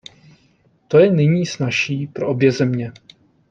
To je nyní snazší pro obě země.